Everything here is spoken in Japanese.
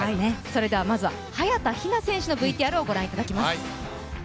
まずは早田ひな選手のＶＴＲをご覧いただきます。